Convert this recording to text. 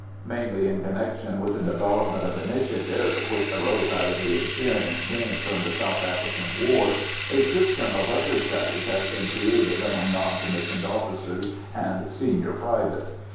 Mainly in connection with the development of initiative which arose out of the experience gained from the South African war, a system of understudies has been created among non commissioned officers and senior privates.